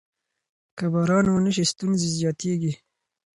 که باران ونه شي ستونزې زیاتېږي.